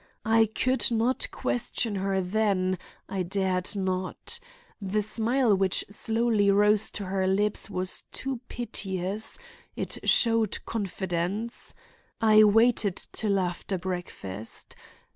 I could not question her then; I dared not. The smile which slowly rose to her lips was too piteous—it showed confidence. I waited till after breakfast.